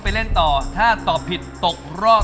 กรุงเทพหมดเลยครับ